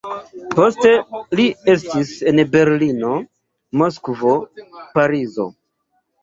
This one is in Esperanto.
Poste li estis en Berlino, Moskvo, Parizo.